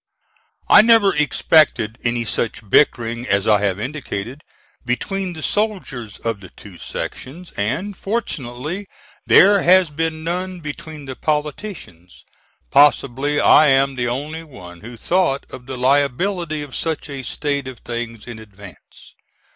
I never expected any such bickering as I have indicated, between the soldiers of the two sections; and, fortunately, there has been none between the politicians. Possibly I am the only one who thought of the liability of such a state of things in advance.